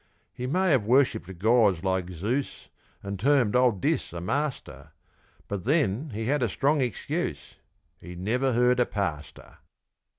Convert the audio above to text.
He may have worshipped gods like Zeus, And termed old Dis a master; But then he had a strong excuse He never heard a pastor.